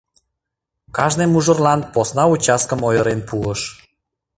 Кажне мужырлан посна участкым ойырен пуыш.